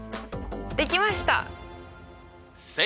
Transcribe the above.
できました！